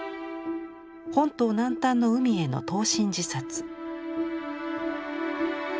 本島南端の海への投身自殺。